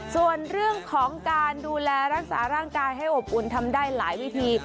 ส่วนเรื่องของการดูแลรักษาร่างกายให้อบอุ่นทำได้หลายวิธี